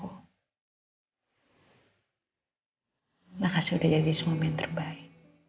terima kasih udah jadi semua men terbaik